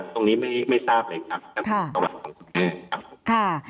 ตรงนี้ไม่ทราบเลยครับ